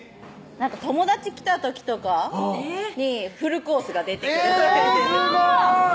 友達来た時とかにフルコースが出てくるえぇすごい！